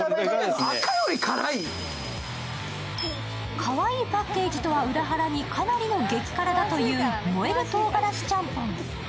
かわいいパッケージとは裏腹にかなりの激辛だという燃えるトウガラシちゃんぽん。